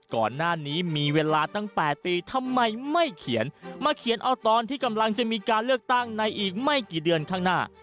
ก่อนหน้านี้มีเวลาตั้ง๘ปีทำไมไม่เขียนมาเขียนเอาตอนที่กำลังจะมีการเลือกตั้งในอีกไม่กี่เดือนข้างหน้า